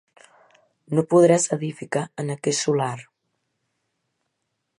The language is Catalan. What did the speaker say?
No podràs edificar en aquest solar.